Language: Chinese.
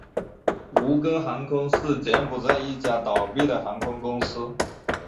吴哥航空是柬埔寨一家倒闭的航空公司。